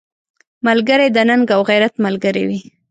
ملګری د ننګ او غیرت ملګری وي